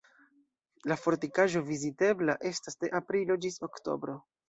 La fortikaĵo vizitebla estas de aprilo ĝis oktobro.